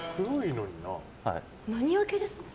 何焼けですか？